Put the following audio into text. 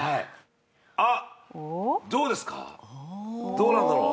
どうなんだろう？